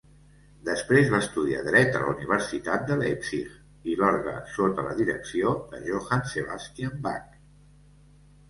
Després, va estudiar dret a la universitat de Leipzig i l'orgue sota la direcció de Johann Sebastian Bach.